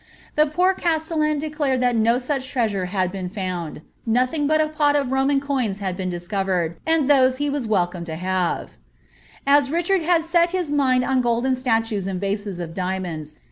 The poor caatelian declared that no such treasure had been fouiid ; nothing but a pot of Roman coins had been discovered, and tboee he was wel come to have As Richard iiad set his mind on golden stalnes and vases of diatnonils.